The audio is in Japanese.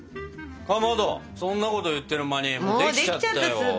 かまどそんなこと言ってる間にもうできちゃったよ。